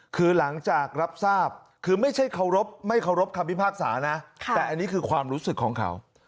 คือหลังจากรับทราบคือไม่ใช่เคารพไม่เคารพคำพิพากษานะแต่อันนี้คือความรู้สึกของเขา